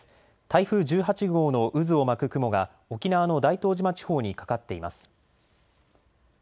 台風１８号の渦を巻く雲が沖縄の大東島地方にかかっています。